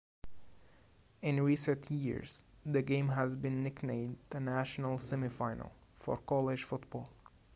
In recent years, the game has been nicknamed the "national semifinal" for college football.